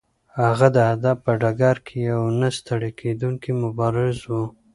هغه د ادب په ډګر کې یو نه ستړی کېدونکی مبارز و.